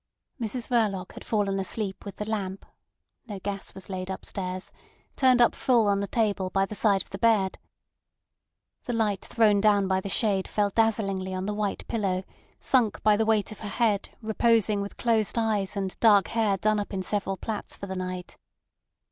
Mrs Verloc had fallen asleep with the lamp (no gas was laid upstairs) turned up full on the table by the side of the bed. The light thrown down by the shade fell dazzlingly on the white pillow sunk by the weight of her head reposing with closed eyes and dark hair done up in several plaits for the night.